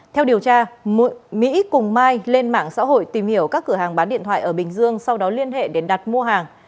theo điều tra mỹ cùng mai lên mạng xã hội tìm hiểu các cửa hàng bán điện thoại ở bình dương sau đó liên hệ để đặt mua hàng